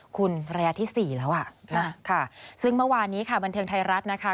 คุณระยะที่สี่แล้วอ่ะค่ะซึ่งเมื่อวานนี้ค่ะบันเทิงไทยรัฐนะคะ